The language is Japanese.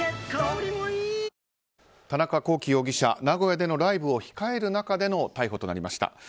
名古屋でのライブを控える中での逮捕となりました。